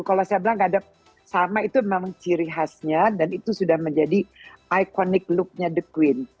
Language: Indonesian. kalau saya bilang ada sama itu memang ciri khasnya dan itu sudah menjadi iconic looknya the queen